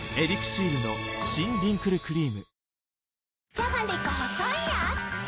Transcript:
じゃがりこ細いやーつ